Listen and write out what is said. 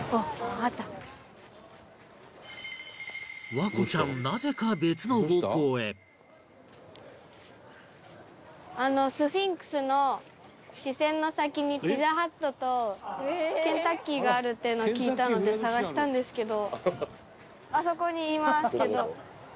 環子ちゃんスフィンクスの視線の先にピザハットとケンタッキーがあるっていうのを聞いたので探したんですけど。